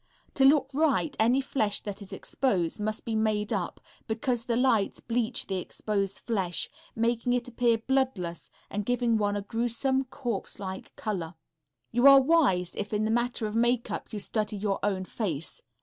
To look right, any flesh that is exposed must be made up, because the lights bleach the exposed flesh, making it appear bloodless and giving one a gruesome, corpse like color. You are wise if in the matter of makeup you study your own face.